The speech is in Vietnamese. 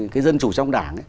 cái dân chủ trong đảng